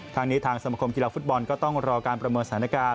ทางนี้ทางสมคมกีฬาฟุตบอลก็ต้องรอการประเมินสถานการณ์